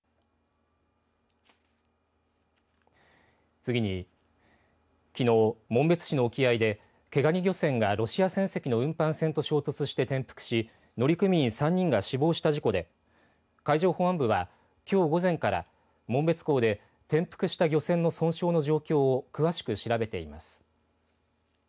次に、きのう紋別市の沖合で毛ガニ漁船がロシア船籍の運搬船と衝突して転覆し乗組員３人が死亡した事故で海上保安部は、きょう午前から紋別港で転覆した漁船の損傷の状況を詳しく調べています。